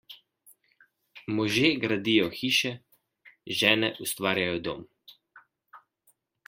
Može gradijo hiše, žene ustvarjajo dom.